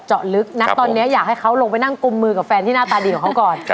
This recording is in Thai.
อยากจะคุยกับทั้ง๙๒คนนะ